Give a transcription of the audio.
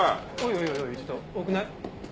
おいおいちょっと多くない？